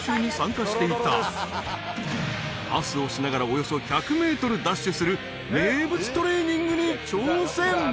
［パスをしながらおよそ１００ｍダッシュする名物トレーニングに挑戦］